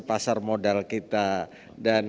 pasar modal kita dan